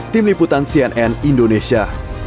tim liputan cnn indonesia